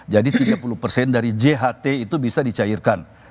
jadi tiga puluh dari jht itu bisa dicairkan